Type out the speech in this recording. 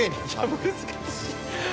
難しい。